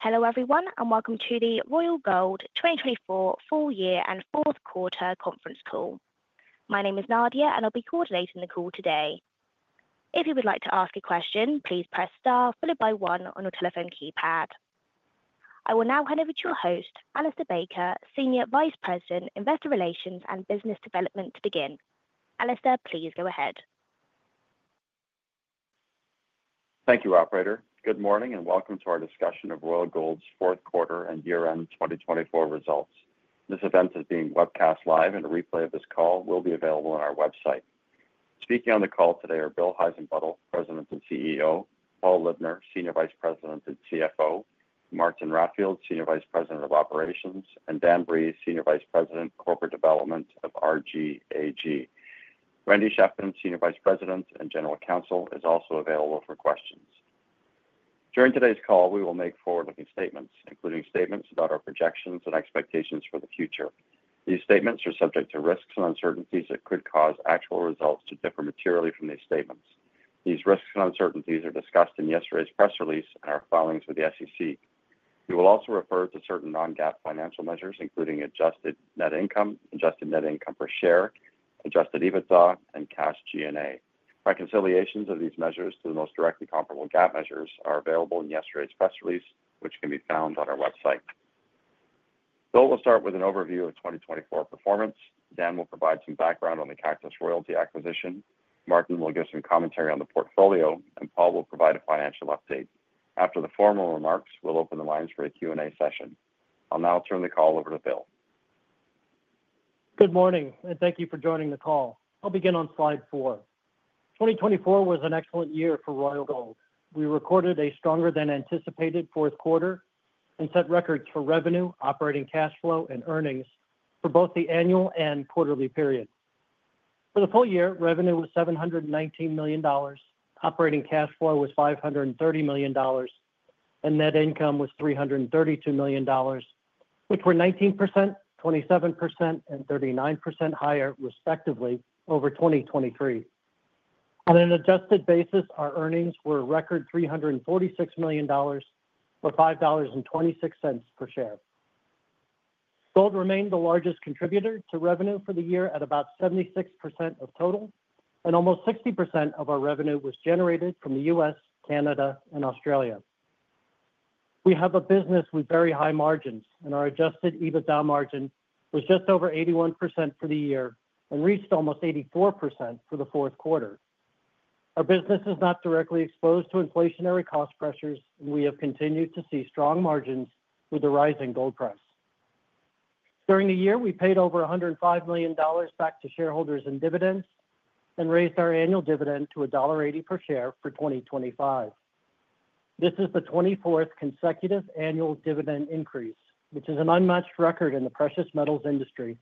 Hello everyone, and welcome to the Royal Gold 2024 full year and fourth quarter conference call. My name is Nadia, and I'll be coordinating the call today. If you would like to ask a question, please press star followed by one on your telephone keypad. I will now hand over to your host, Alistair Baker, Senior Vice President, Investor Relations and Business Development, to begin. Alistair, please go ahead. Thank you, Operator. Good morning and welcome to our discussion of Royal Gold's fourth quarter and year-end 2024 results. This event is being webcast live, and a replay of this call will be available on our website. Speaking on the call today are Bill Heissenbuttel, President and CEO, Paul Libner, Senior Vice President and CFO, Martin Raffield, Senior Vice President of Operations, and Dan Breeze, Senior Vice President, Corporate Development of RGAG. Randy Shefman, Senior Vice President and General Counsel, is also available for questions. During today's call, we will make forward-looking statements, including statements about our projections and expectations for the future. These statements are subject to risks and uncertainties that could cause actual results to differ materially from these statements. These risks and uncertainties are discussed in yesterday's press release and in our filings with the SEC. We will also refer to certain non-GAAP financial measures, including Adjusted net income, Adjusted net income per share, Adjusted EBITDA, and cash G&A. Reconciliations of these measures to the most directly comparable GAAP measures are available in yesterday's press release, which can be found on our website. Bill will start with an overview of 2024 performance. Dan will provide some background on the Cactus Royalty acquisition. Martin will give some commentary on the portfolio, and Paul will provide a financial update. After the formal remarks, we'll open the lines for a Q&A session. I'll now turn the call over to Bill. Good morning, and thank you for joining the call. I'll begin on slide four. 2024 was an excellent year for Royal Gold. We recorded a stronger-than-anticipated fourth quarter and set records for revenue, operating cash flow, and earnings for both the annual and quarterly period. For the full year, revenue was $719 million, operating cash flow was $530 million, and net income was $332 million, which were 19%, 27%, and 39% higher, respectively, over 2023. On an adjusted basis, our earnings were a record $346 million, or $5.26 per share. Gold remained the largest contributor to revenue for the year at about 76% of total, and almost 60% of our revenue was generated from the U.S., Canada, and Australia. We have a business with very high margins, and our adjusted EBITDA margin was just over 81% for the year and reached almost 84% for the fourth quarter. Our business is not directly exposed to inflationary cost pressures, and we have continued to see strong margins with a rising gold price. During the year, we paid over $105 million back to shareholders in dividends and raised our annual dividend to $1.80 per share for 2025. This is the 24th consecutive annual dividend increase, which is an unmatched record in the precious metals industry,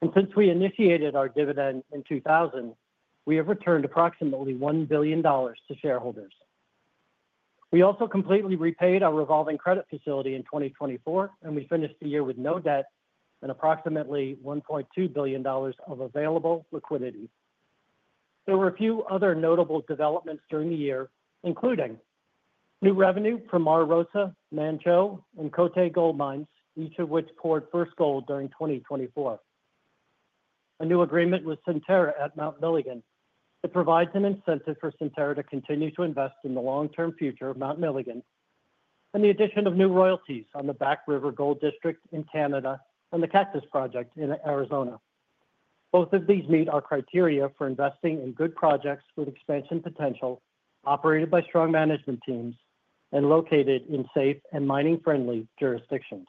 and since we initiated our dividend in 2000, we have returned approximately $1 billion to shareholders. We also completely repaid our revolving credit facility in 2024, and we finished the year with no debt and approximately $1.2 billion of available liquidity. There were a few other notable developments during the year, including new revenue from Mara Rosa, Manh Choh, and Côté Gold Mine, each of which poured first gold during 2024. A new agreement with Centerra at Mount Milligan provides an incentive for Centerra to continue to invest in the long-term future of Mount Milligan and the addition of new royalties on the Back River Gold District in Canada and the Cactus Project in Arizona. Both of these meet our criteria for investing in good projects with expansion potential, operated by strong management teams, and located in safe and mining-friendly jurisdictions.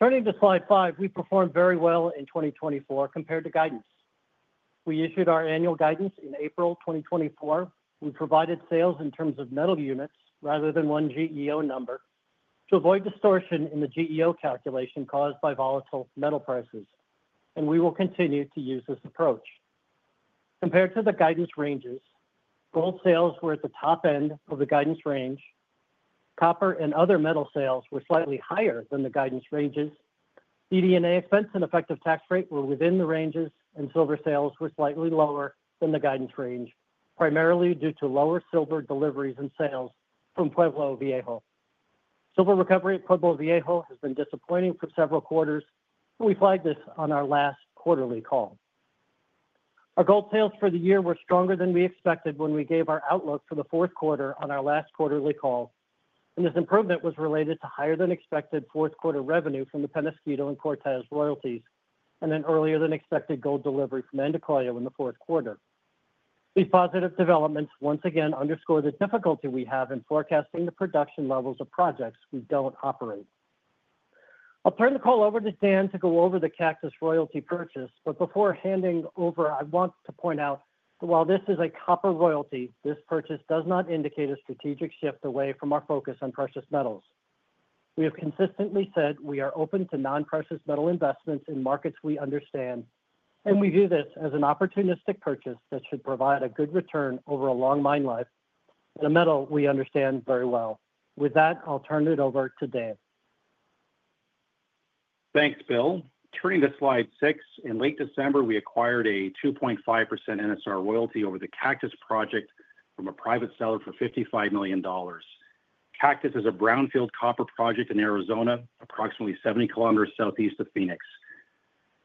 Turning to slide five, we performed very well in 2024 compared to guidance. We issued our annual guidance in April 2024. We provided sales in terms of metal units rather than one GEO number to avoid distortion in the GEO calculation caused by volatile metal prices, and we will continue to use this approach. Compared to the guidance ranges, gold sales were at the top end of the guidance range. Copper and other metal sales were slightly higher than the guidance ranges. EBITDA expense and effective tax rate were within the ranges, and silver sales were slightly lower than the guidance range, primarily due to lower silver deliveries and sales from Pueblo Viejo. Silver recovery at Pueblo Viejo has been disappointing for several quarters, and we flagged this on our last quarterly call. Our gold sales for the year were stronger than we expected when we gave our outlook for the fourth quarter on our last quarterly call, and this improvement was related to higher-than-expected fourth quarter revenue from the Peñasquito and Cortez royalties and an earlier-than-expected gold delivery from Andacollo in the fourth quarter. These positive developments once again underscore the difficulty we have in forecasting the production levels of projects we don't operate. I'll turn the call over to Dan to go over the Cactus Royalty purchase, but before handing over, I want to point out that while this is a copper royalty, this purchase does not indicate a strategic shift away from our focus on precious metals. We have consistently said we are open to non-precious metal investments in markets we understand, and we view this as an opportunistic purchase that should provide a good return over a long mine life and a metal we understand very well. With that, I'll turn it over to Dan. Thanks, Bill. Turning to slide six, in late December, we acquired a 2.5% NSR royalty over the Cactus Project from a private seller for $55 million. Cactus is a brownfield copper project in Arizona, approximately 70 kilometers southeast of Phoenix.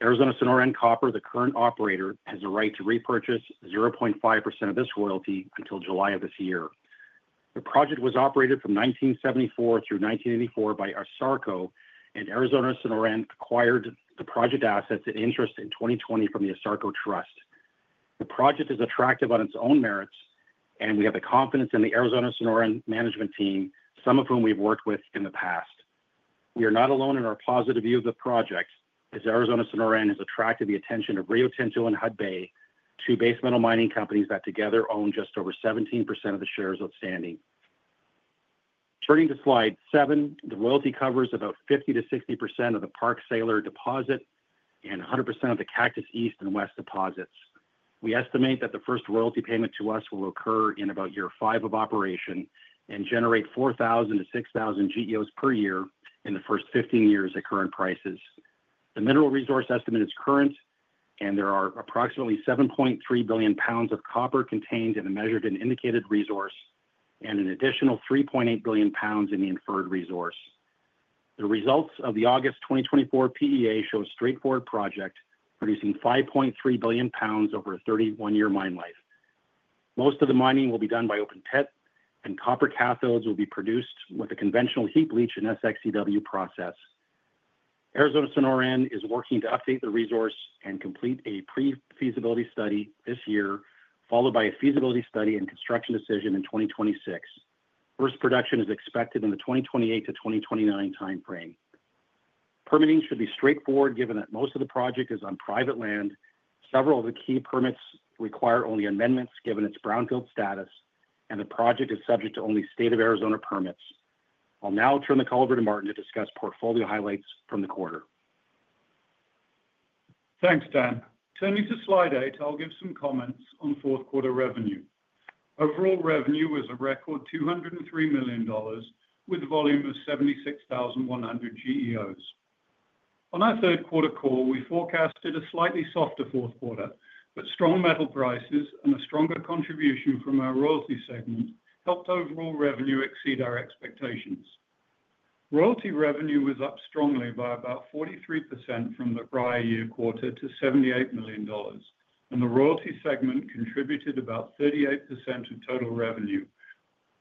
Arizona Sonoran Copper, the current operator, has a right to repurchase 0.5% of this royalty until July of this year. The project was operated from 1974 through 1984 by ASARCO, and Arizona Sonoran Copper acquired the project assets at interest in 2020 from the ASARCO Trust. The project is attractive on its own merits, and we have the confidence in the Arizona Sonoran Copper management team, some of whom we've worked with in the past. We are not alone in our positive view of the project, as Arizona Sonoran Copper has attracted the attention of Rio Tinto and Hudbay, two base metal mining companies that together own just over 17% of the shares outstanding. Turning to slide seven, the royalty covers about 50%-60% of the Parks/Salyer deposit and 100% of the Cactus East and West deposits. We estimate that the first royalty payment to us will occur in about year five of operation and generate 4,000-6,000 GEOs per year in the first 15 years at current prices. The mineral resource estimate is current, and there are approximately 7.3 billion pounds of copper contained in the measured and indicated resource and an additional 3.8 billion pounds in the inferred resource. The results of the August 2024 PEA show a straightforward project producing 5.3 billion pounds over a 31-year mine life. Most of the mining will be done by open pit, and copper cathodes will be produced with a conventional heap leach and SX-EW process. Arizona Sonoran Copper is working to update the resource and complete a pre-feasibility study this year, followed by a feasibility study and construction decision in 2026. First production is expected in the 2028 to 2029 timeframe. Permitting should be straightforward, given that most of the project is on private land. Several of the key permits require only amendments, given its brownfield status, and the project is subject to only State of Arizona permits. I'll now turn the call over to Martin to discuss portfolio highlights from the quarter. Thanks, Dan. Turning to slide eight, I'll give some comments on fourth quarter revenue. Overall revenue was a record $203 million with a volume of 76,100 GEOs. On our third quarter call, we forecasted a slightly softer fourth quarter, but strong metal prices and a stronger contribution from our royalty segment helped overall revenue exceed our expectations. Royalty revenue was up strongly by about 43% from the prior year quarter to $78 million, and the royalty segment contributed about 38% of total revenue,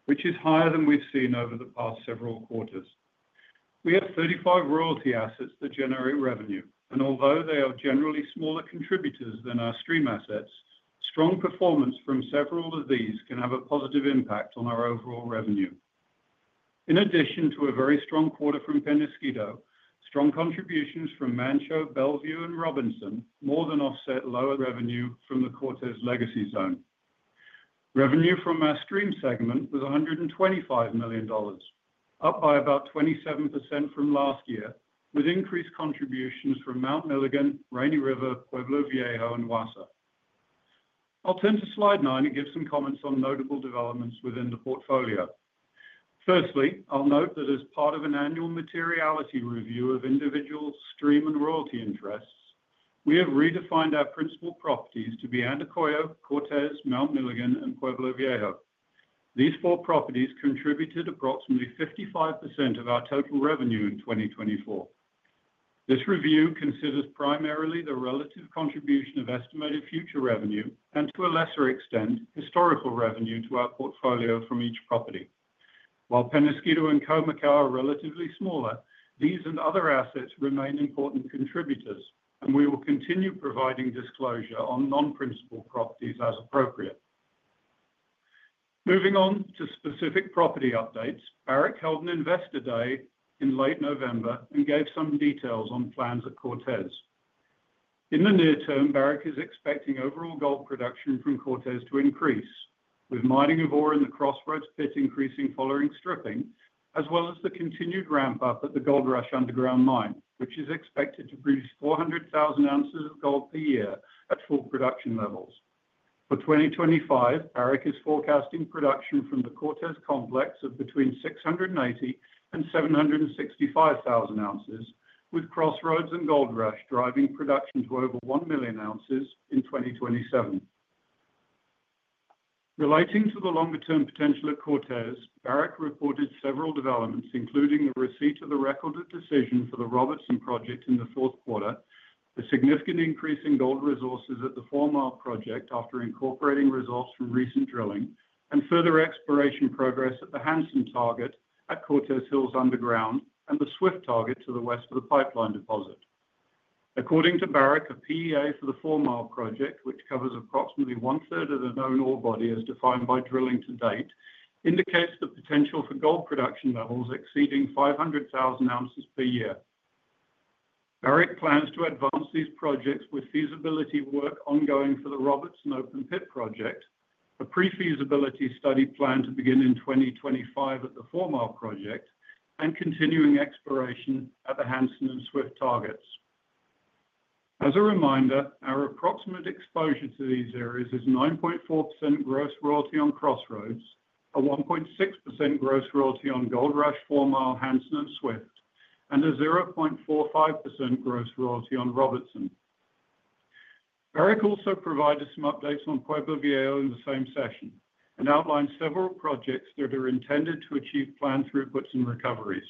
which is higher than we've seen over the past several quarters. We have 35 royalty assets that generate revenue, and although they are generally smaller contributors than our stream assets, strong performance from several of these can have a positive impact on our overall revenue. In addition to a very strong quarter from Peñasquito, strong contributions from Manh Choh, Bellevue, and Robinson more than offset lower revenue from the Cortez legacy zone. Revenue from our stream segment was $125 million, up by about 27% from last year, with increased contributions from Mount Milligan, Rainy River, Pueblo Viejo, and Wassa. I'll turn to slide nine and give some comments on notable developments within the portfolio. Firstly, I'll note that as part of an annual materiality review of individual stream and royalty interests, we have redefined our principal properties to be Andacollo, Cortez, Mount Milligan, and Pueblo Viejo. These four properties contributed approximately 55% of our total revenue in 2024. This review considers primarily the relative contribution of estimated future revenue and, to a lesser extent, historical revenue to our portfolio from each property. While Peñasquito and Khoemacau are relatively smaller, these and other assets remain important contributors, and we will continue providing disclosure on non-principal properties as appropriate. Moving on to specific property updates, Barrick held an investor day in late November and gave some details on plans at Cortez. In the near term, Barrick is expecting overall gold production from Cortez to increase, with mining of ore in the Crossroads pit increasing following stripping, as well as the continued ramp-up at the Goldrush Underground Mine, which is expected to produce 400,000 ounces of gold per year at full production levels. For 2025, Barrick is forecasting production from the Cortez complex of between 680,000 and 765,000 ounces, with Crossroads and Goldrush driving production to over 1 million ounces in 2027. Relating to the longer-term potential at Cortez, Barrick reported several developments, including the receipt of the recorded decision for the Robertson project in the fourth quarter, a significant increase in gold resources at the Fourmile project after incorporating results from recent drilling, and further exploration progress at the Hanson target at Cortez Hills Underground and the Swift target to the west of the Pipeline deposit. According to Barrick, a PEA for the Fourmile project, which covers approximately one-third of the known ore body as defined by drilling to date, indicates the potential for gold production levels exceeding 500,000 ounces per year. Barrick plans to advance these projects with feasibility work ongoing for the Robertson open pit project, a pre-feasibility study planned to begin in 2025 at the Fourmile project, and continuing exploration at the Hanson and Swift targets. As a reminder, our approximate exposure to these areas is 9.4% gross royalty on Crossroads, a 1.6% gross royalty on Goldrush Fourmile Hanson and Swift, and a 0.45% gross royalty on Robertson. Barrick also provided some updates on Pueblo Viejo in the same session and outlined several projects that are intended to achieve planned throughputs and recoveries.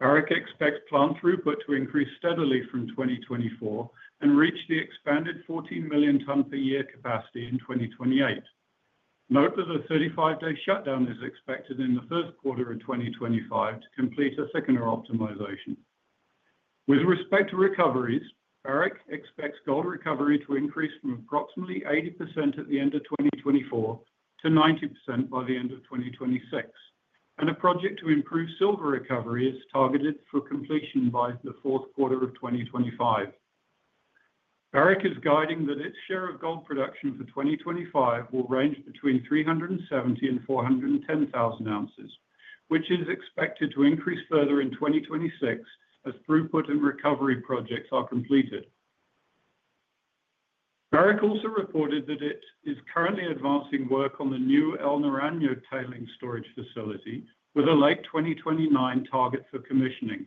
Barrick expects planned throughput to increase steadily from 2024 and reach the expanded 14 million ton per year capacity in 2028. Note that a 35-day shutdown is expected in the first quarter of 2025 to complete a thickener optimization. With respect to recoveries, Barrick expects gold recovery to increase from approximately 80% at the end of 2024 to 90% by the end of 2026, and a project to improve silver recovery is targeted for completion by the fourth quarter of 2025. Barrick is guiding that its share of gold production for 2025 will range between 370,000 and 410,000 ounces, which is expected to increase further in 2026 as throughput and recovery projects are completed. Barrick also reported that it is currently advancing work on the new El Naranjo tailings storage facility with a late 2029 target for commissioning.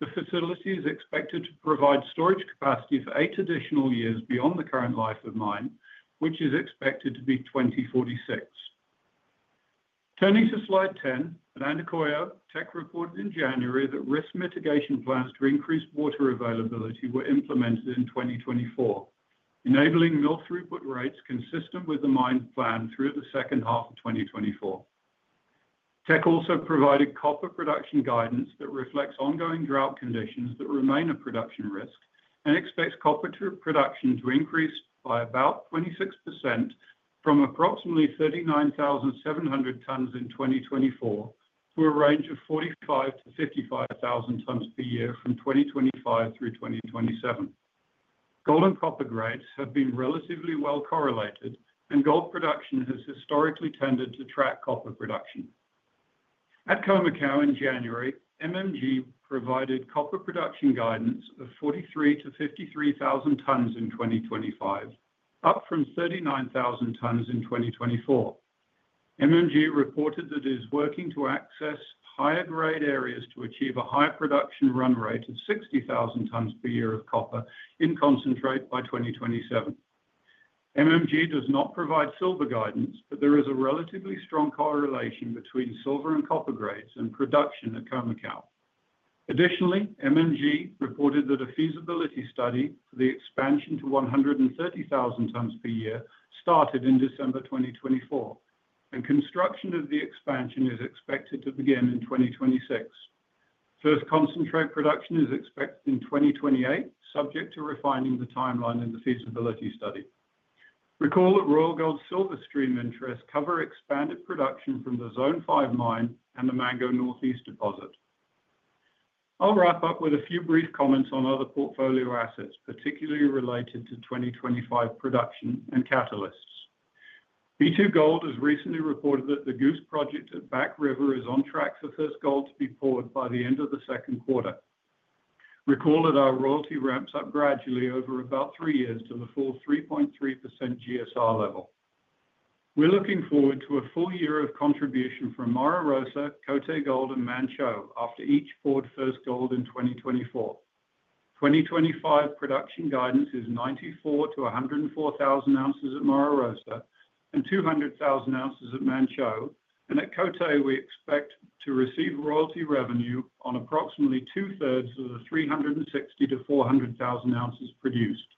The facility is expected to provide storage capacity for eight additional years beyond the current life of mine, which is expected to be 2046. Turning to slide 10, at Andacollo, Teck reported in January that risk mitigation plans to increase water availability were implemented in 2024, enabling mill throughput rates consistent with the mine plan through the second half of 2024. Teck also provided copper production guidance that reflects ongoing drought conditions that remain a production risk and expects copper production to increase by about 26% from approximately 39,700 tons in 2024 to a range of 45,000-55,000 tons per year from 2025 through 2027. Gold and copper grades have been relatively well correlated, and gold production has historically tended to track copper production. At Khoemacau in January, MMG provided copper production guidance of 43,000-53,000 tons in 2025, up from 39,000 tons in 2024. MMG reported that it is working to access higher grade areas to achieve a high production run rate of 60,000 tons per year of copper in concentrate by 2027. MMG does not provide silver guidance, but there is a relatively strong correlation between silver and copper grades and production at Khoemacau. Additionally, MMG reported that a feasibility study for the expansion to 130,000 tons per year started in December 2024, and construction of the expansion is expected to begin in 2026. First concentrate production is expected in 2028, subject to refining the timeline in the feasibility study. Recall that Royal Gold's silver stream interests cover expanded production from the Zone 5 mine and the Mango Northeast deposit. I'll wrap up with a few brief comments on other portfolio assets, particularly related to 2025 production and catalysts. B2Gold has recently reported that the Goose Project at Back River is on track for first gold to be poured by the end of the second quarter. Recall that our royalty ramps up gradually over about three years to the full 3.3% GSR level. We're looking forward to a full year of contribution from Mara Rosa, Côté Gold, and Manh Choh after each poured first gold in 2024. 2025 production guidance is 94,000-104,000 ounces at Mara Rosa and 200,000 ounces at Manh Choh, and at Côté, we expect to receive royalty revenue on approximately two-thirds of the 360,000-400,000 ounces produced.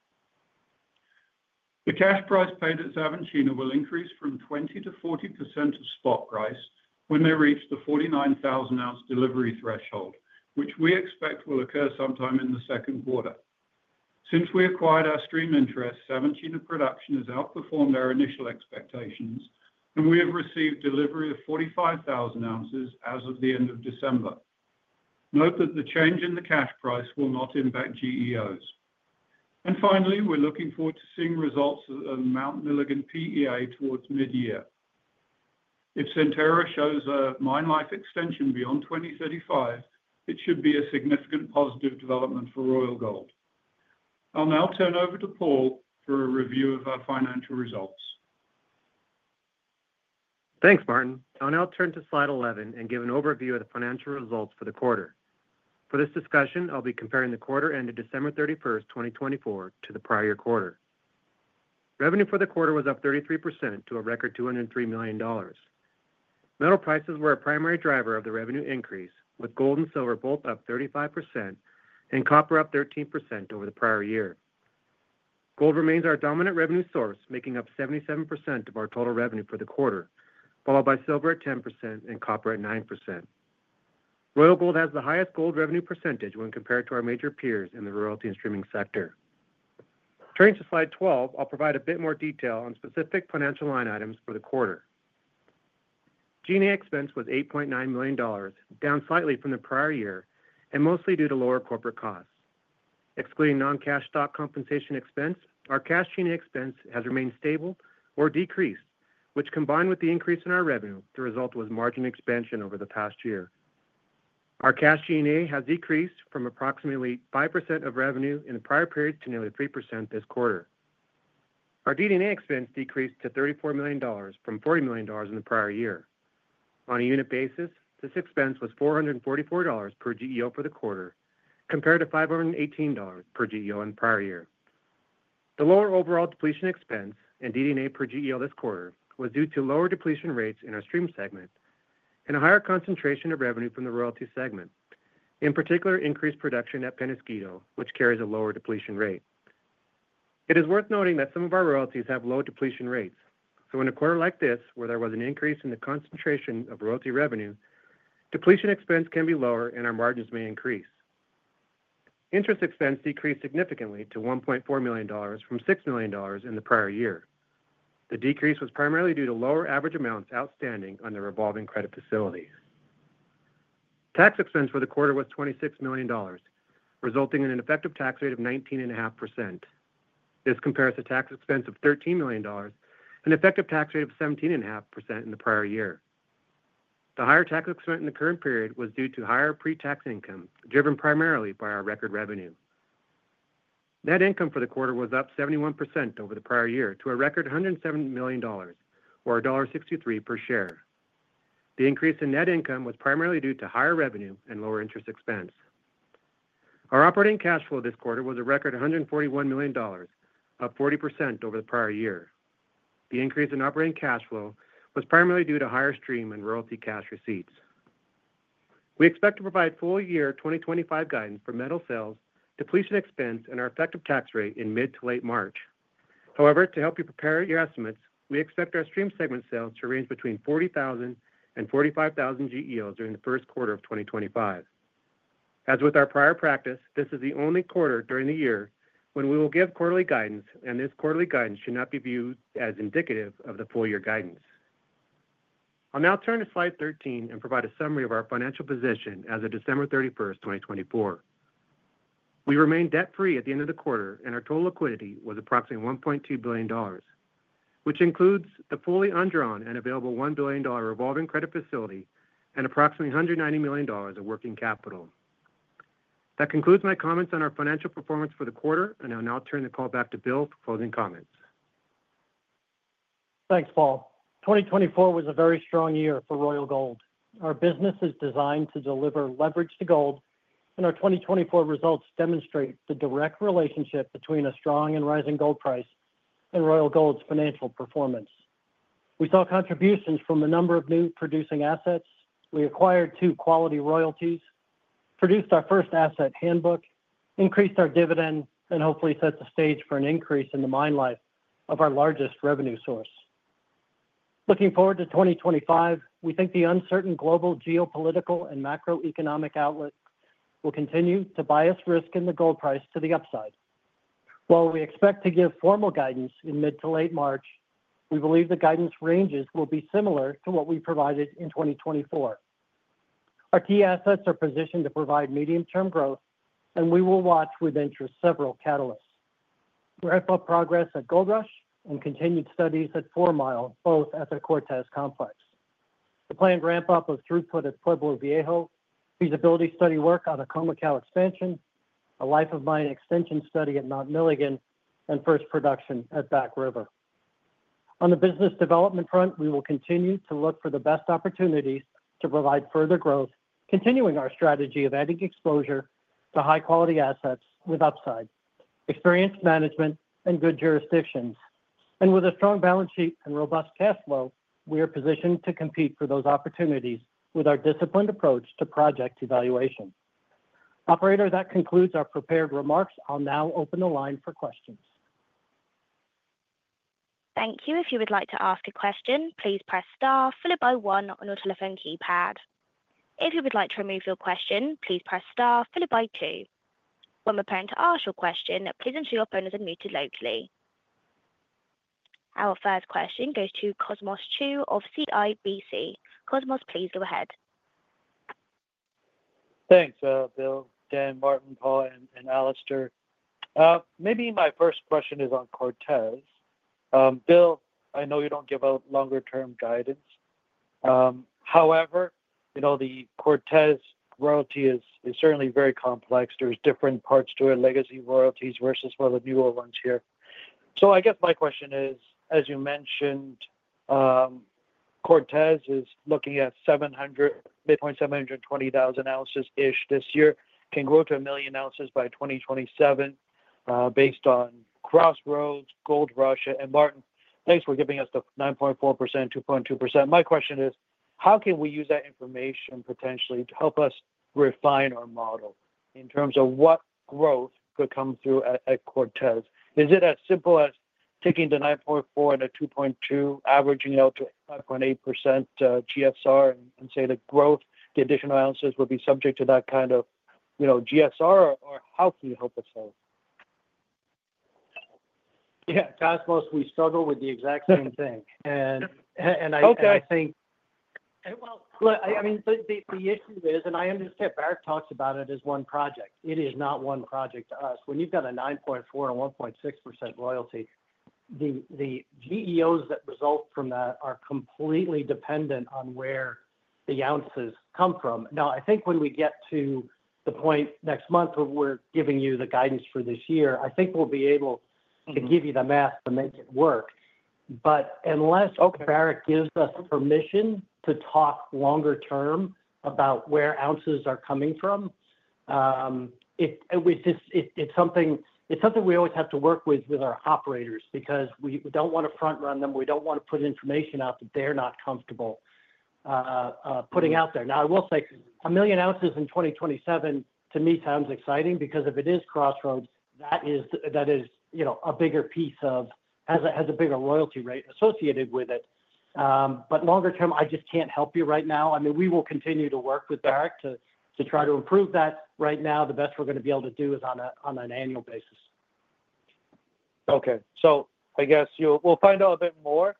The cash price paid at Xavantina will increase from 20% to 40% of spot price when they reach the 49,000-ounce delivery threshold, which we expect will occur sometime in the second quarter. Since we acquired our stream interest, Xavantina production has outperformed our initial expectations, and we have received delivery of 45,000 ounces as of the end of December. Note that the change in the cash price will not impact GEOs. And finally, we're looking forward to seeing results of the Mount Milligan PEA towards mid-year. If Centerra shows a mine life extension beyond 2035, it should be a significant positive development for Royal Gold. I'll now turn over to Paul for a review of our financial results. Thanks, Martin. I'll now turn to slide 11 and give an overview of the financial results for the quarter. For this discussion, I'll be comparing the quarter ended December 31st, 2024, to the prior quarter. Revenue for the quarter was up 33% to a record $203 million. Metal prices were a primary driver of the revenue increase, with gold and silver both up 35% and copper up 13% over the prior year. Gold remains our dominant revenue source, making up 77% of our total revenue for the quarter, followed by silver at 10% and copper at 9%. Royal Gold has the highest gold revenue percentage when compared to our major peers in the royalty and streaming sector. Turning to slide 12, I'll provide a bit more detail on specific financial line items for the quarter. G&A expense was $8.9 million, down slightly from the prior year, and mostly due to lower corporate costs. Excluding non-cash stock compensation expense, our cash G&A expense has remained stable or decreased, which combined with the increase in our revenue, the result was margin expansion over the past year. Our cash G&A has decreased from approximately 5% of revenue in the prior period to nearly 3% this quarter. Our D&A expense decreased to $34 million from $40 million in the prior year. On a unit basis, this expense was $444 per GEO for the quarter, compared to $518 per GEO in the prior year. The lower overall depletion expense and D&A per GEO this quarter was due to lower depletion rates in our stream segment and a higher concentration of revenue from the royalty segment, in particular increased production at Peñasquito, which carries a lower depletion rate. It is worth noting that some of our royalties have low depletion rates, so in a quarter like this, where there was an increase in the concentration of royalty revenue, depletion expense can be lower and our margins may increase. Interest expense decreased significantly to $1.4 million from $6 million in the prior year. The decrease was primarily due to lower average amounts outstanding on the revolving credit facilities. Tax expense for the quarter was $26 million, resulting in an effective tax rate of 19.5%. This compares to tax expense of $13 million and effective tax rate of 17.5% in the prior year. The higher tax expense in the current period was due to higher pre-tax income driven primarily by our record revenue. Net income for the quarter was up 71% over the prior year to a record $107 million, or $1.63 per share. The increase in net income was primarily due to higher revenue and lower interest expense. Our operating cash flow this quarter was a record $141 million, up 40% over the prior year. The increase in operating cash flow was primarily due to higher stream and royalty cash receipts. We expect to provide full year 2025 guidance for metal sales, depletion expense, and our effective tax rate in mid to late March. However, to help you prepare your estimates, we expect our stream segment sales to range between 40,000 and 45,000 GEOs during the first quarter of 2025. As with our prior practice, this is the only quarter during the year when we will give quarterly guidance, and this quarterly guidance should not be viewed as indicative of the full year guidance. I'll now turn to slide 13 and provide a summary of our financial position as of December 31st, 2024. We remained debt-free at the end of the quarter, and our total liquidity was approximately $1.2 billion, which includes the fully undrawn and available $1 billion revolving credit facility and approximately $190 million of working capital. That concludes my comments on our financial performance for the quarter, and I'll now turn the call back to Bill for closing comments. Thanks, Paul. 2024 was a very strong year for Royal Gold. Our business is designed to deliver leverage to gold, and our 2024 results demonstrate the direct relationship between a strong and rising gold price and Royal Gold's financial performance. We saw contributions from a number of new producing assets. We acquired two quality royalties, produced our first asset handbook, increased our dividend, and hopefully set the stage for an increase in the mine life of our largest revenue source. Looking forward to 2025, we think the uncertain global geopolitical and macroeconomic outlook will continue to bias risk in the gold price to the upside. While we expect to give formal guidance in mid to late March, we believe the guidance ranges will be similar to what we provided in 2024. Our key assets are positioned to provide medium-term growth, and we will watch with interest several catalysts. We're hopeful of progress at Goldrush and continued studies at Fourmile, both at the Cortez Complex. The planned ramp-up of throughput at Pueblo Viejo, feasibility study work on a Khoemacau expansion, a life of mine extension study at Mount Milligan, and first production at Back River. On the business development front, we will continue to look for the best opportunities to provide further growth, continuing our strategy of adding exposure to high-quality assets with upside, experienced management, and good jurisdictions. And with a strong balance sheet and robust cash flow, we are positioned to compete for those opportunities with our disciplined approach to project evaluation. Operator, that concludes our prepared remarks. I'll now open the line for questions. Thank you. If you would like to ask a question, please press star followed by one on your telephone keypad. If you would like to remove your question, please press star followed by two. When we're preparing to ask your question, please ensure your phone is unmuted locally. Our first question goes to Cosmos Chiu of CIBC. Cosmos, please go ahead. Thanks, Bill, Dan, Martin, Paul, and Alistair. Maybe my first question is on Cortez. Bill, I know you don't give out longer-term guidance. However, the Cortez royalty is certainly very complex. There are different parts to it, legacy royalties versus one of the newer ones here. So I guess my question is, as you mentioned, Cortez is looking at 700, midpoint 720,000 ounces-ish this year. [It] can grow to a million ounces by 2027 based on Crossroads, Gold Rush, and Martin. Thanks for giving us the 9.4%, 2.2%. My question is, how can we use that information potentially to help us refine our model in terms of what growth could come through at Cortez? Is it as simple as taking the 9.4 and a 2.2, averaging out to 5.8% GSR and say the growth, the additional ounces would be subject to that kind of GSR, or how can you help us out? Yeah, Cosmos, we struggle with the exact same thing. And I think. I mean, the issue is, and I understand Barrick talks about it as one project. It is not one project to us. When you've got a 9.4% and 1.6% royalty, the GEOs that result from that are completely dependent on where the ounces come from. Now, I think when we get to the point next month where we're giving you the guidance for this year, I think we'll be able to give you the math to make it work. But unless Barrick gives us permission to talk longer term about where ounces are coming from, it's something we always have to work with our operators because we don't want to front-run them. We don't want to put information out that they're not comfortable putting out there. Now, I will say a million ounces in 2027, to me, sounds exciting because if it is Crossroads, that is a bigger piece of has a bigger royalty rate associated with it, but longer term, I just can't help you right now. I mean, we will continue to work with Barrick to try to improve that. Right now, the best we're going to be able to do is on an annual basis. Okay, so I guess we'll find out a bit more,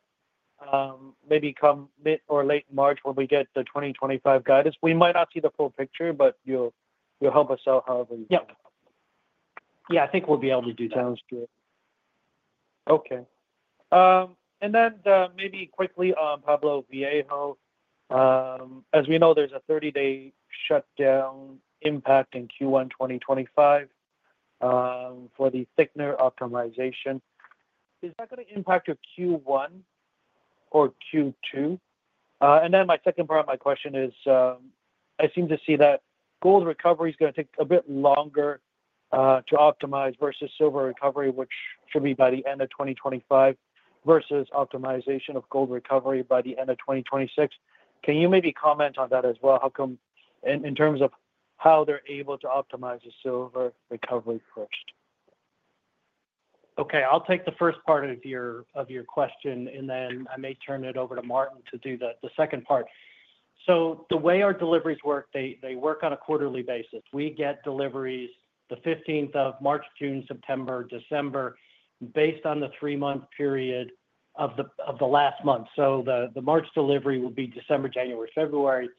maybe come mid or late March when we get the 2025 guidance. We might not see the full picture, but you'll help us out however you can. Yeah. Yeah, I think we'll be able to do that. Sounds good. Okay. And then maybe quickly on Pueblo Viejo. As we know, there's a 30-day shutdown impact in Q1 2025 for the thickener optimization. Is that going to impact your Q1 or Q2? And then my second part of my question is, I seem to see that gold recovery is going to take a bit longer to optimize versus silver recovery, which should be by the end of 2025, versus optimization of gold recovery by the end of 2026. Can you maybe comment on that as well? How come in terms of how they're able to optimize the silver recovery first? Okay. I'll take the first part of your question, and then I may turn it over to Martin to do the second part, so the way our deliveries work, they work on a quarterly basis. We get deliveries the March 15th, June, September, December, based on the three-month period of the last month, so the March delivery will be December, January, February.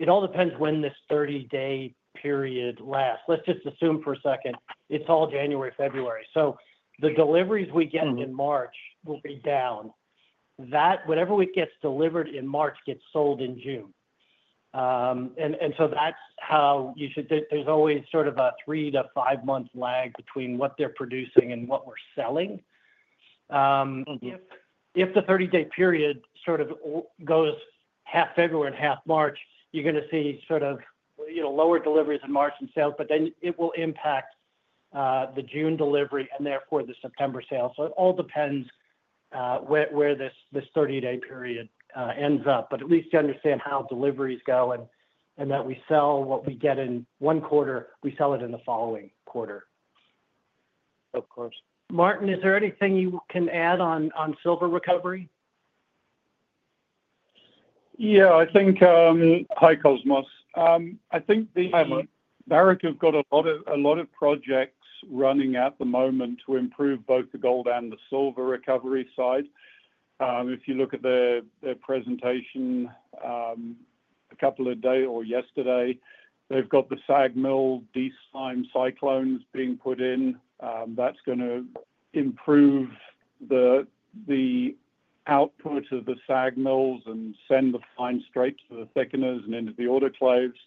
It all depends when this 30-day period lasts. Let's just assume for a second, it's all January, February, so the deliveries we get in March will be down. Whatever gets delivered in March gets sold in June, and so that's how you should. There's always sort of a three to five-month lag between what they're producing and what we're selling. If the 30-day period sort of goes half February and half March, you're going to see sort of lower deliveries in March and sales, but then it will impact the June delivery and therefore the September sales. So it all depends where this 30-day period ends up, but at least you understand how deliveries go and that we sell what we get in one quarter, we sell it in the following quarter. Of course. Martin, is there anything you can add on silver recovery? Yeah. I think, hi, Cosmos. I think Barrick has got a lot of projects running at the moment to improve both the gold and the silver recovery side. If you look at their presentation a couple of days or yesterday, they've got the SAG mill design cyclones being put in. That's going to improve the output of the SAG mills and send the fines straight to the thickeners and into the autoclaves.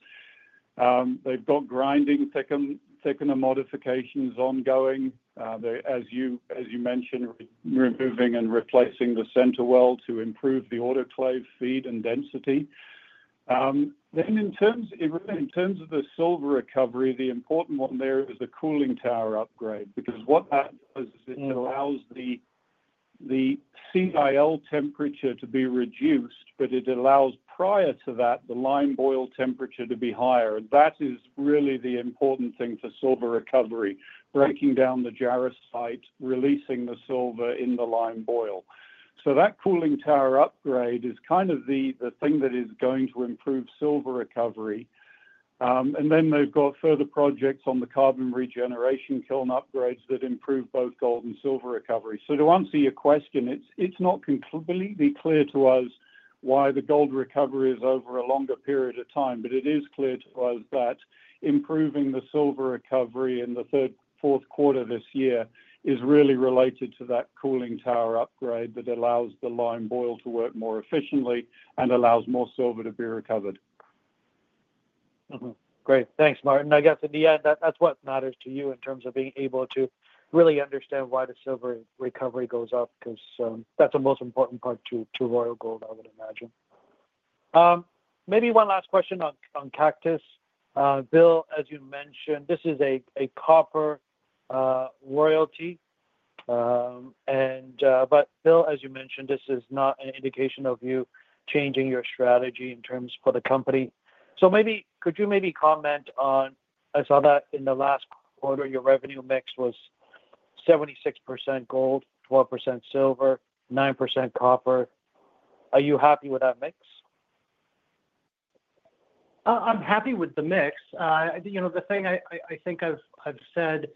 They've got grinding thickener modifications ongoing, as you mentioned, removing and replacing the center well to improve the autoclave feed and density. Then in terms of the silver recovery, the important one there is the cooling tower upgrade because what that does is it allows the CIL temperature to be reduced, but it allows prior to that, the lime boil temperature to be higher. And that is really the important thing for silver recovery, breaking down the jarosite, releasing the silver in the lime boil. So that cooling tower upgrade is kind of the thing that is going to improve silver recovery. And then they've got further projects on the carbon regeneration kiln upgrades that improve both gold and silver recovery. So to answer your question, it's not completely clear to us why the gold recovery is over a longer period of time, but it is clear to us that improving the silver recovery in the third, fourth quarter this year is really related to that cooling tower upgrade that allows the lime boil to work more efficiently and allows more silver to be recovered. Great. Thanks, Martin. I guess at the end, that's what matters to you in terms of being able to really understand why the silver recovery goes up because that's the most important part to Royal Gold, I would imagine. Maybe one last question on Cactus. Bill, as you mentioned, this is a copper royalty. But Bill, as you mentioned, this is not an indication of you changing your strategy in terms for the company. So could you maybe comment on. I saw that in the last quarter, your revenue mix was 76% gold, 12% silver, 9% copper. Are you happy with that mix? I'm happy with the mix. The thing I think I've said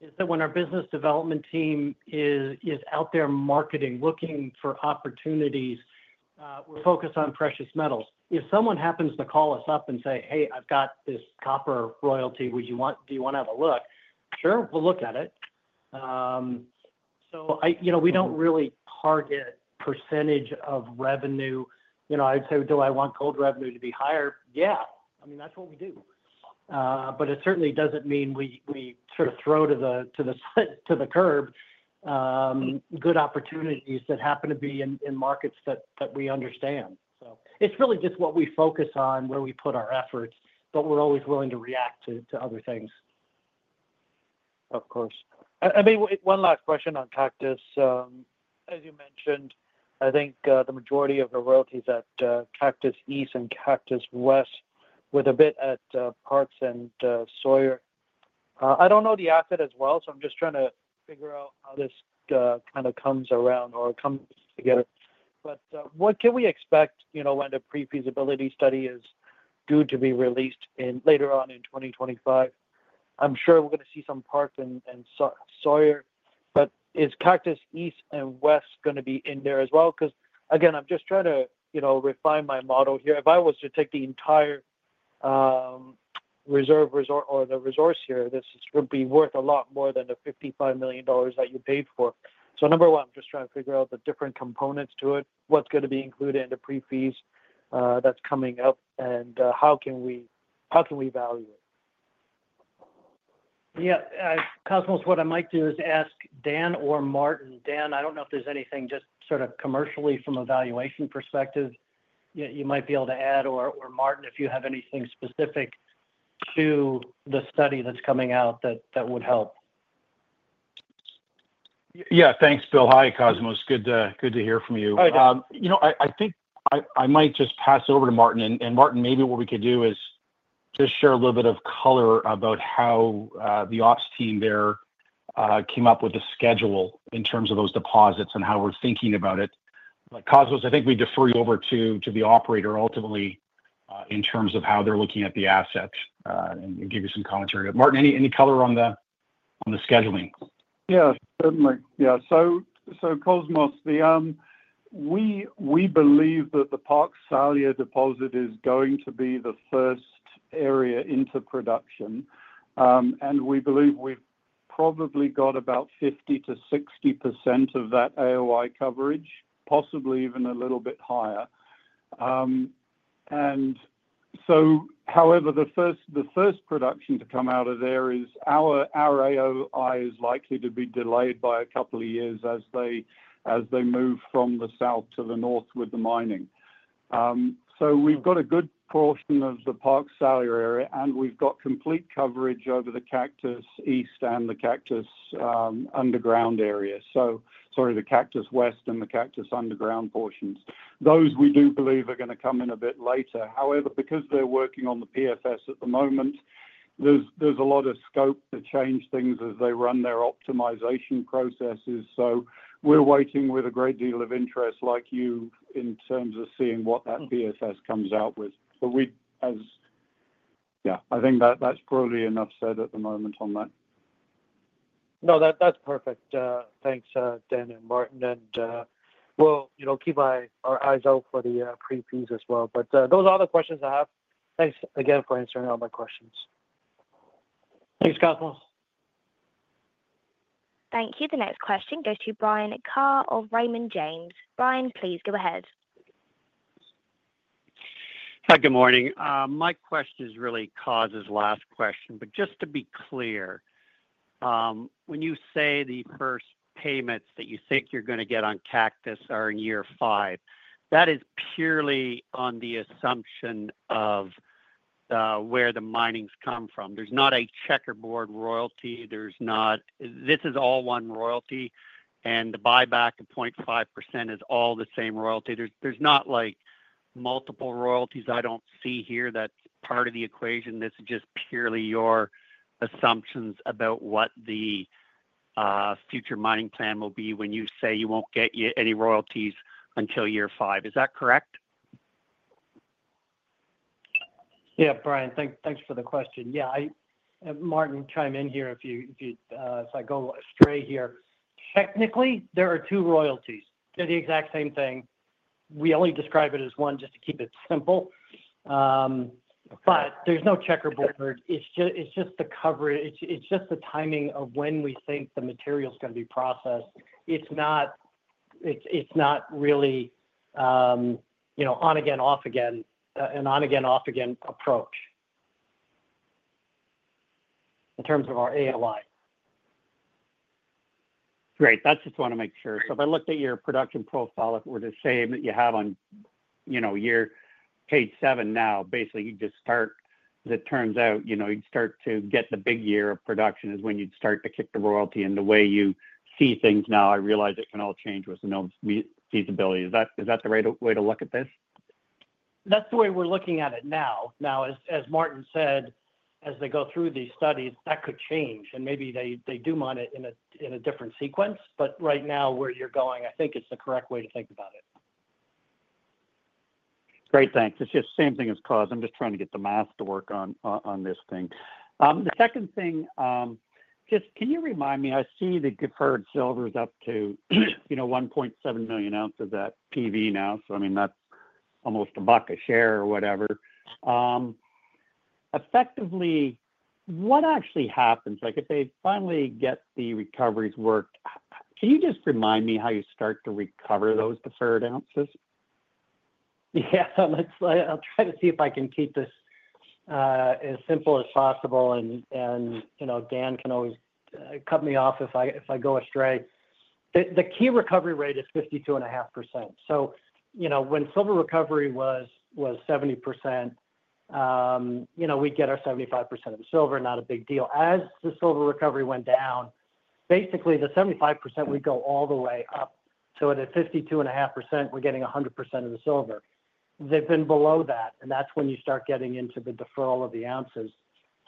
is that when our business development team is out there marketing, looking for opportunities, we're focused on precious metals. If someone happens to call us up and say, "Hey, I've got this copper royalty. Do you want to have a look?" Sure, we'll look at it. So we don't really target percentage of revenue. I'd say, "Do I want gold revenue to be higher?" Yeah. I mean, that's what we do. But it certainly doesn't mean we sort of throw to the curb good opportunities that happen to be in markets that we understand. So it's really just what we focus on, where we put our efforts, but we're always willing to react to other things. Of course. I mean, one last question on Cactus. As you mentioned, I think the majority of the royalties at Cactus East and Cactus West, with a bit at Parks/Salyer. I don't know the asset as well, so I'm just trying to figure out how this kind of comes around or comes together. But what can we expect when the pre-feasibility study is due to be released later on in 2025? I'm sure we're going to see some Parks and Salyer, but is Cactus East and West going to be in there as well? Because again, I'm just trying to refine my model here. If I was to take the entire reserve or the resource here, this would be worth a lot more than the $55 million that you paid for. Number one, I'm just trying to figure out the different components to it, what's going to be included in the PFS that's coming up, and how can we value it? Yeah. Cosmos, what I might do is ask Dan or Martin. Dan, I don't know if there's anything just sort of commercially from a valuation perspective you might be able to add, or Martin, if you have anything specific to the study that's coming out that would help. Yeah. Thanks, Bill. Hi, Cosmos. Good to hear from you. I think I might just pass it over to Martin. And Martin, maybe what we could do is just share a little bit of color about how the ops team there came up with the schedule in terms of those deposits and how we're thinking about it. Cosmos, I think we'd defer you over to the operator ultimately in terms of how they're looking at the assets and give you some commentary. But Martin, any color on the scheduling? Yeah, certainly. Yeah. So Cosmos, we believe that the Parks/Salyer deposit is going to be the first area into production. And we believe we've probably got about 50%-60% of that AOI coverage, possibly even a little bit higher. And so however, the first production to come out of there is our AOI is likely to be delayed by a couple of years as they move from the south to the north with the mining. So we've got a good portion of the Parks/Salyer area, and we've got complete coverage over the Cactus East and the Cactus Underground area. Sorry, the Cactus West and the Cactus Underground portions. Those we do believe are going to come in a bit later. However, because they're working on the PFS at the moment, there's a lot of scope to change things as they run their optimization processes. So we're waiting with a great deal of interest like you in terms of seeing what that PFS comes out with. But yeah, I think that's probably enough said at the moment on that. No, that's perfect. Thanks, Dan and Martin. And we'll keep our eyes out for the PFS as well. But those are all the questions I have. Thanks again for answering all my questions. Thanks, Cosmos. Thank you. The next question goes to Brian Carr of Raymond James. Brian, please go ahead. Hi, good morning. My question really is my last question, but just to be clear, when you say the first payments that you think you're going to get on Cactus are in year five, that is purely on the assumption of where the mining comes from. There's not a checkerboard royalty. This is all one royalty, and the buyback of 0.5% is all the same royalty. There's not multiple royalties I don't see here that's part of the equation. This is just purely your assumptions about what the future mining plan will be when you say you won't get any royalties until year five. Is that correct? Yeah, Brian, thanks for the question. Yeah. Martin, chime in here if I go astray here. Technically, there are two royalties. They're the exact same thing. We only describe it as one just to keep it simple. But there's no checkerboard. It's just the coverage. It's just the timing of when we think the material is going to be processed. It's not really on again, off again approach in terms of our AOI. Great. That's just what I want to make sure. So if I looked at your production profile, if it were the same as that you have on your page seven now, basically, you just start. As it turns out, you'd start to get the big year of production is when you'd start to kick in the royalty in the way you see things now. I realize it can all change with no feasibility. Is that the right way to look at this? That's the way we're looking at it now. Now, as Martin said, as they go through these studies, that could change. And maybe they do mine it in a different sequence. But right now, where you're going, I think it's the correct way to think about it. Great. Thanks. It's just same thing as COS. I'm just trying to get the math to work on this thing. The second thing, just can you remind me? I see the deferred silver is up to 1.7 million ounces at PV now. So I mean, that's almost a buck a share or whatever. Effectively, what actually happens if they finally get the recoveries worked? Can you just remind me how you start to recover those deferred ounces? Yeah. I'll try to see if I can keep this as simple as possible. And Dan can always cut me off if I go astray. The key recovery rate is 52.5%. When silver recovery was 70%, we'd get our 75% of the silver, not a big deal. As the silver recovery went down, basically, the 75% would go all the way up. At a 52.5%, we're getting 100% of the silver. They've been below that, and that's when you start getting into the deferral of the ounces.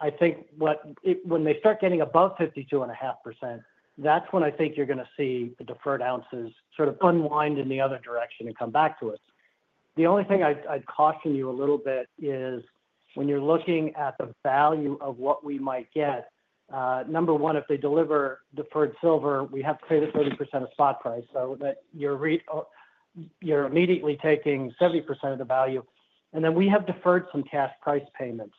I think when they start getting above 52.5%, that's when I think you're going to see the deferred ounces sort of unwind in the other direction and come back to us. The only thing I'd caution you a little bit is when you're looking at the value of what we might get, number one, if they deliver deferred silver, we have to pay the 30% of spot price. So you're immediately taking 70% of the value. And then we have deferred some cash price payments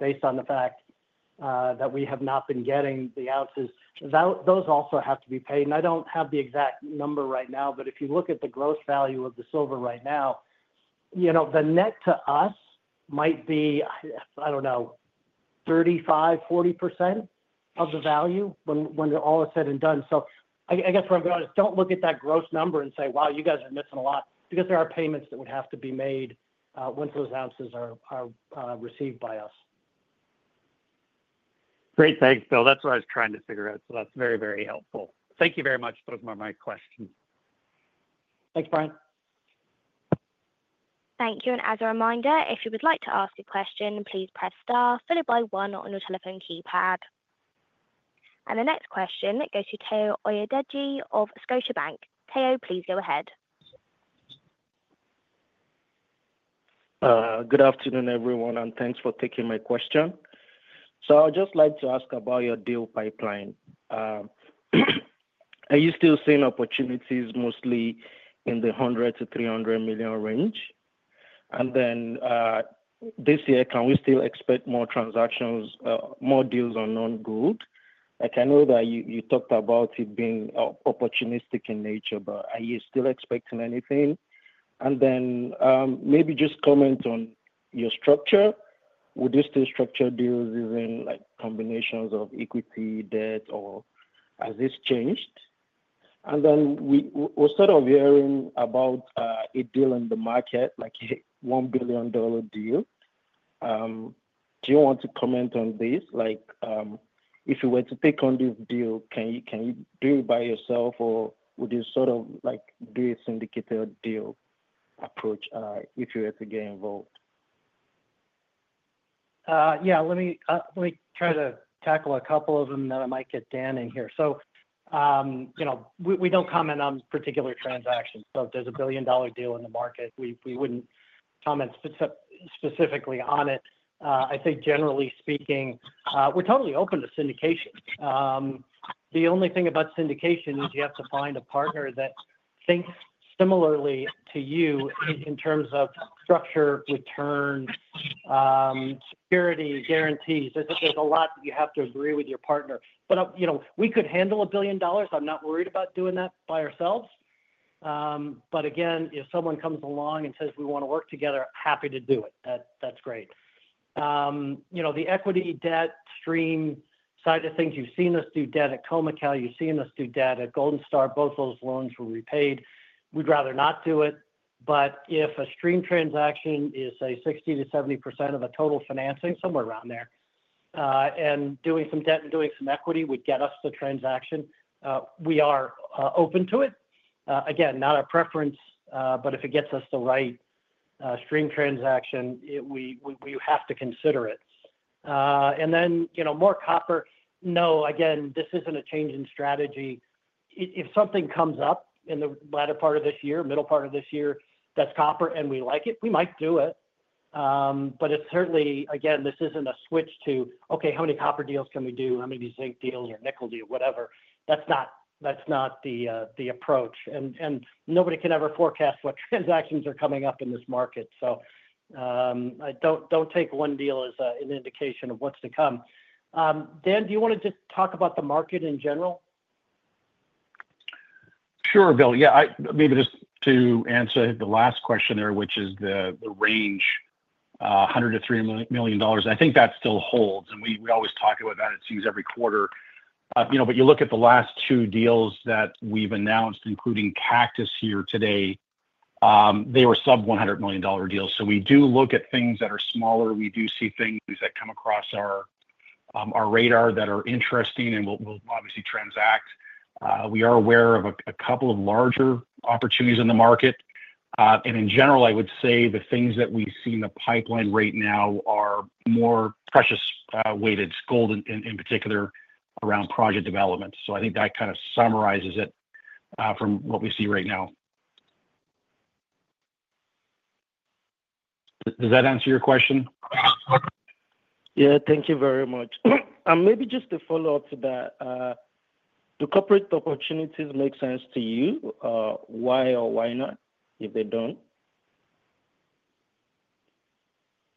based on the fact that we have not been getting the ounces. Those also have to be paid. I don't have the exact number right now, but if you look at the gross value of the silver right now, the net to us might be, I don't know, 35%-40% of the value when all is said and done. I guess what I'm going to do is don't look at that gross number and say, "Wow, you guys are missing a lot," because there are payments that would have to be made once those ounces are received by us. Great. Thanks, Bill. That's what I was trying to figure out. That's very, very helpful. Thank you very much. Those were my questions. Thanks, Brian. Thank you. And as a reminder, if you would like to ask a question, please press star, followed by one on your telephone keypad. And the next question goes to Adetayo Adedeji of Scotiabank. Tayo, please go ahead. Good afternoon, everyone, and thanks for taking my question. So I would just like to ask about your deal pipeline. Are you still seeing opportunities mostly in the $100-$300 million range? And then this year, can we still expect more transactions, more deals on non-gold? I know that you talked about it being opportunistic in nature, but are you still expecting anything? And then maybe just comment on your structure. Would you still structure deals using combinations of equity, debt, or has this changed? And then we're sort of hearing about a deal in the market, like a $1 billion deal. Do you want to comment on this? If you were to take on this deal, can you do it by yourself, or would you sort of do a syndicated deal approach if you were to get involved? Yeah. Let me try to tackle a couple of them that I might get Dan in here. So we don't comment on particular transactions. So if there's a $1 billion deal in the market, we wouldn't comment specifically on it. I think, generally speaking, we're totally open to syndication. The only thing about syndication is you have to find a partner that thinks similarly to you in terms of structure, return, security, guarantees. There's a lot that you have to agree with your partner. But we could handle $1 billion. I'm not worried about doing that by ourselves. But again, if someone comes along and says, "We want to work together," happy to do it. That's great. The equity, debt, stream side of things, you've seen us do debt at Khoemacau. You've seen us do debt at Golden Star. Both those loans were repaid. We'd rather not do it. But if a stream transaction is, say, 60%-70% of a total financing, somewhere around there, and doing some debt and doing some equity would get us the transaction, we are open to it. Again, not our preference, but if it gets us the right stream transaction, we have to consider it. And then more copper? No, again, this isn't a change in strategy. If something comes up in the latter part of this year, middle part of this year, that's copper and we like it, we might do it. But it's certainly, again, this isn't a switch to, "Okay, how many copper deals can we do? How many zinc deals or nickel deals, whatever?" That's not the approach. And nobody can ever forecast what transactions are coming up in this market. So don't take one deal as an indication of what's to come. Dan, do you want to just talk about the market in general? Sure, Bill. Yeah. Maybe just to answer the last question there, which is the range, $100 to $3 million, I think that still holds. And we always talk about that at Teams every quarter. But you look at the last two deals that we've announced, including Cactus here today, they were sub-$100 million deals. So we do look at things that are smaller. We do see things that come across our radar that are interesting and we'll obviously transact. We are aware of a couple of larger opportunities in the market. And in general, I would say the things that we see in the pipeline right now are more precious-weighted gold, in particular, around project development. So I think that kind of summarizes it from what we see right now. Does that answer your question? Yeah. Thank you very much. And maybe just to follow up to that, do corporate opportunities make sense to you? Why or why not if they don't?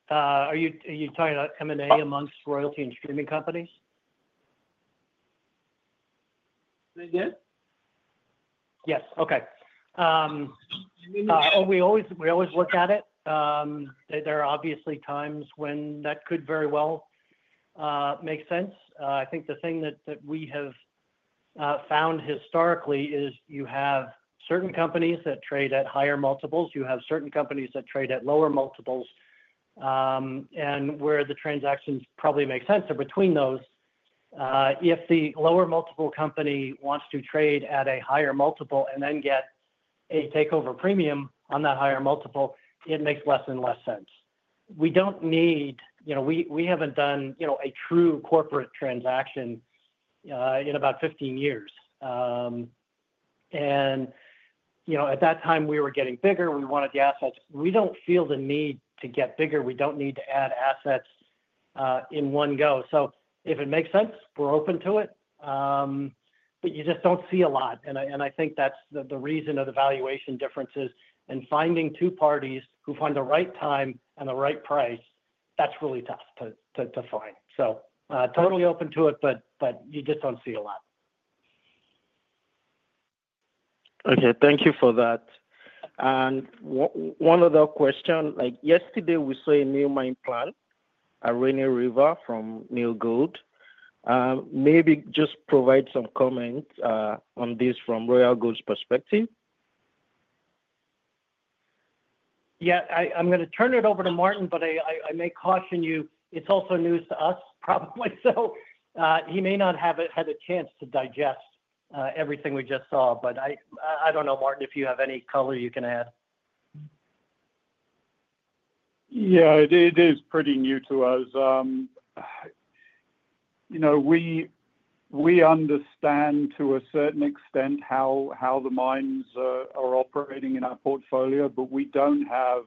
Are you talking about M&A among royalty and streaming companies? Yes. Okay. We always look at it. There are obviously times when that could very well make sense. I think the thing that we have found historically is you have certain companies that trade at higher multiples. You have certain companies that trade at lower multiples. And where the transactions probably make sense are between those. If the lower multiple company wants to trade at a higher multiple and then get a takeover premium on that higher multiple, it makes less and less sense. We don't need. We haven't done a true corporate transaction in about 15 years. And at that time, we were getting bigger. We wanted the assets. We don't feel the need to get bigger. We don't need to add assets in one go. So if it makes sense, we're open to it. But you just don't see a lot. And I think that's the reason of the valuation differences. And finding two parties who find the right time and the right price, that's really tough to find. So totally open to it, but you just don't see a lot. Okay. Thank you for that. And one other question. Yesterday, we saw a new mine plan, a Rainy River from New Gold. Maybe just provide some comments on this from Royal Gold's perspective. Yeah. I'm going to turn it over to Martin, but I may caution you. It's also news to us, probably. So he may not have had a chance to digest everything we just saw. But I don't know, Martin, if you have any color you can add. Yeah. It is pretty new to us. We understand to a certain extent how the mines are operating in our portfolio, but we don't have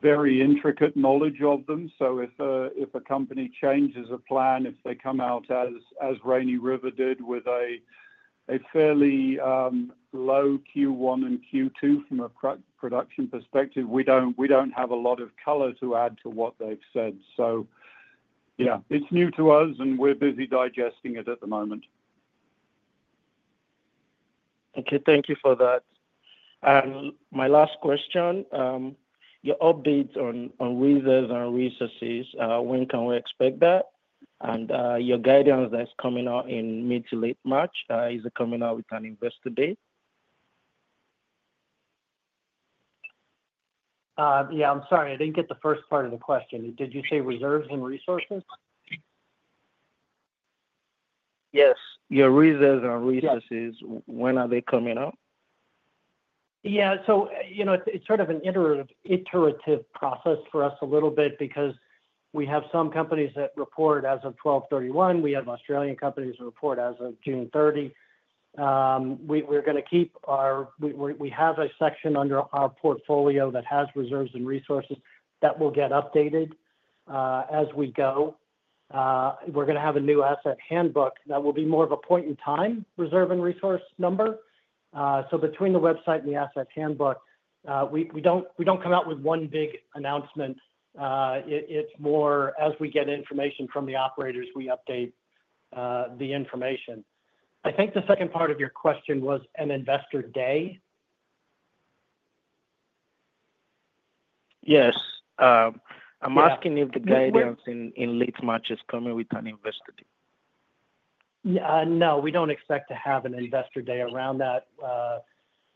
very intricate knowledge of them. So if a company changes a plan, if they come out as Rainy River did with a fairly low Q1 and Q2 from a production perspective, we don't have a lot of color to add to what they've said. So yeah, it's new to us, and we're busy digesting it at the moment. Okay. Thank you for that. And my last question, your updates on reserves and resources, when can we expect that? And your guidance that's coming out in mid to late March, is it coming out with an investor day? Yeah. I'm sorry. I didn't get the first part of the question. Did you say reserves and resources? Yes. Your reserves and resources, when are they coming out? Yeah. So it's sort of an iterative process for us a little bit because we have some companies that report as of 12/31. We have Australian companies that report as of June 30. We're going to keep ours. We have a section under our portfolio that has reserves and resources that will get updated as we go. We're going to have a new asset handbook that will be more of a point-in-time reserve and resource number. So between the website and the asset handbook, we don't come out with one big announcement. It's more as we get information from the operators, we update the information. I think the second part of your question was an investor day? Yes. I'm asking if the guidance in late March is coming with an investor day. No. We don't expect to have an investor day around that.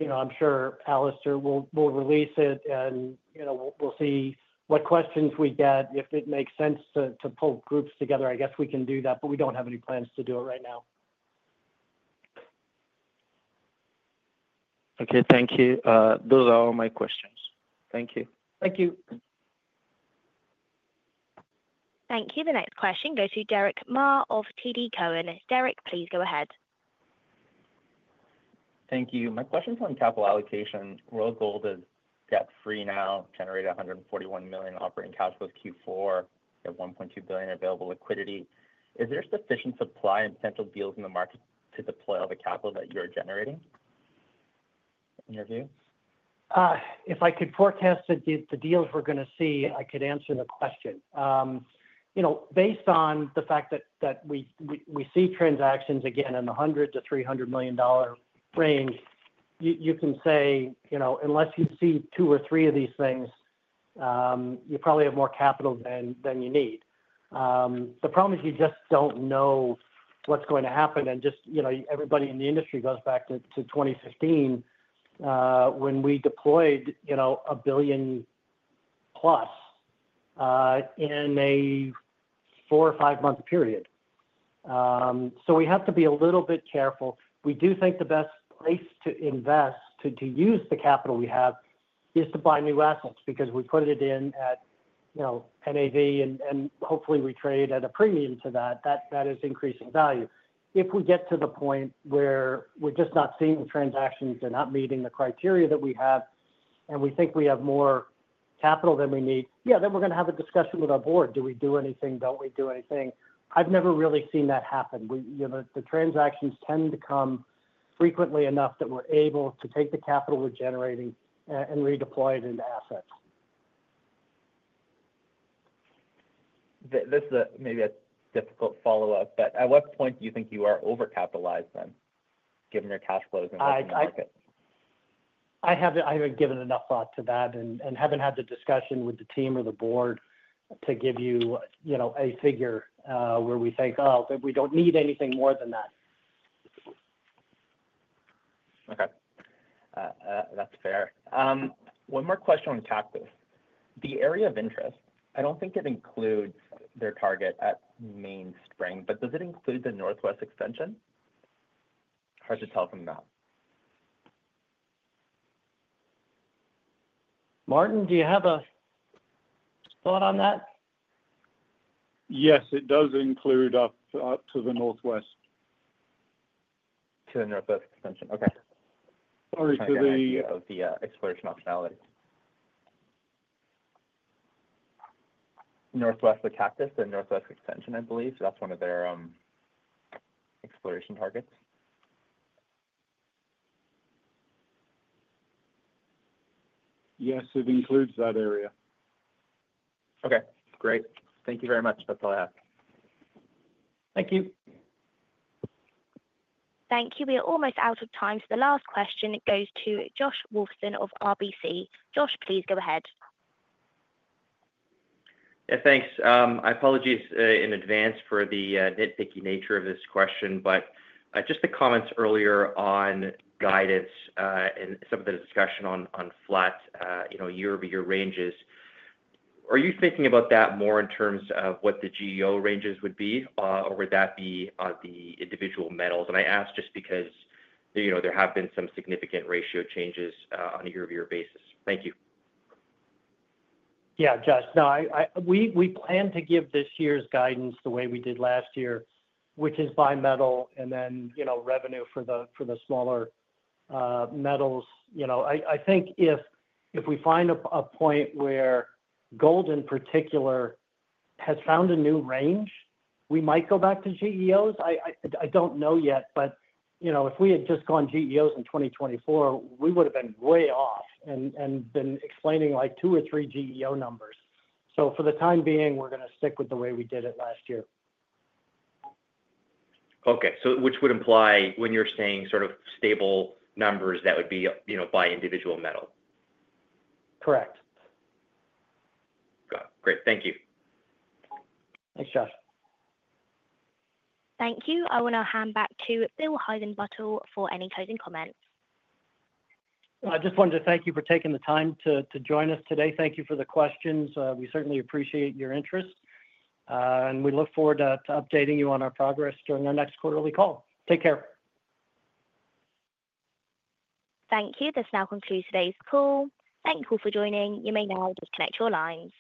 I'm sure Alistair will release it, and we'll see what questions we get. If it makes sense to pull groups together, I guess we can do that, but we don't have any plans to do it right now. Okay. Thank you. Those are all my questions. Thank you. Thank you. Thank you. The next question goes to Derick Ma of TD Cowen. Derick, please go ahead. Thank you. My question is on capital allocation. Royal Gold is debt-free now, generating $141 million operating cash flow Q4, $1.2 billion available liquidity. Is there sufficient supply and potential deals in the market to deploy all the capital that you're generating? If I could forecast the deals we're going to see, I could answer the question. Based on the fact that we see transactions again in the $100-$300 million range, you can say unless you see two or three of these things, you probably have more capital than you need. The problem is you just don't know what's going to happen, and just everybody in the industry goes back to 2015 when we deployed a billion-plus in a four or five-month period, so we have to be a little bit careful. We do think the best place to invest, to use the capital we have, is to buy new assets because we put it in at NAV, and hopefully we trade at a premium to that. That is increasing value. If we get to the point where we're just not seeing the transactions and not meeting the criteria that we have, and we think we have more capital than we need, yeah, then we're going to have a discussion with our board. Do we do anything? Don't we do anything? I've never really seen that happen. The transactions tend to come frequently enough that we're able to take the capital we're generating and redeploy it into assets. This is maybe a difficult follow-up, but at what point do you think you are over-capitalized then, given your cash flows in the market? I haven't given enough thought to that and haven't had the discussion with the team or the board to give you a figure where we think, Oh, we don't need anything more than that. Okay. That's fair. One more question on Cactus. The area of interest, I don't think it includes their target at MainSpring, but does it include the Northwest Extension? Hard to tell from that. Martin, do you have a thought on that? Yes. It does include up to the Northwest. To the Northwest Extension. Okay. Sorry. To the. Of the exploration optionality. Northwest with Cactus and Northwest Extension, I believe. So that's one of their exploration targets. Yes. It includes that area. Okay. Great. Thank you very much. That's all I have. Thank you. Thank you. We are almost out of time. So the last question goes to Josh Wolfson of RBC. Josh, please go ahead. Yeah. Thanks. I apologize in advance for the nitpicky nature of this question, but just the comments earlier on guidance and some of the discussion on flat year-over-year ranges, are you thinking about that more in terms of what the GEO ranges would be, or would that be the individual metals? And I ask just because there have been some significant ratio changes on a year-over-year basis. Thank you. Yeah, Josh. No, we plan to give this year's guidance the way we did last year, which is by metal and then revenue for the smaller metals. I think if we find a point where gold in particular has found a new range, we might go back to GEOs. I don't know yet, but if we had just gone GEOs in 2024, we would have been way off and been explaining two or three GEO numbers. So for the time being, we're going to stick with the way we did it last year. Okay. So which would imply when you're saying sort of stable numbers, that would be by individual metal? Correct. Got it. Great. Thank you. Thanks, Josh. Thank you. I want to hand back to Bill Heissenbuttel for any closing comments. I just wanted to thank you for taking the time to join us today. Thank you for the questions. We certainly appreciate your interest, and we look forward to updating you on our progress during our next quarterly call. Take care. Thank you. This now concludes today's call. Thank you all for joining. You may now disconnect your lines.